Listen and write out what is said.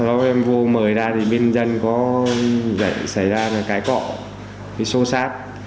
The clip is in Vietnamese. lúc em vô mời ra thì bên dân có dậy xảy ra